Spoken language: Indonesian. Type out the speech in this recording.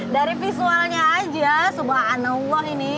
dari visualnya aja subhanallah ini